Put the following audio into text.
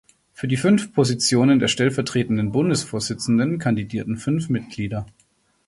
Für die fünf Positionen der stellvertretenden Bundesvorsitzenden kandidierten fünf Mitglieder.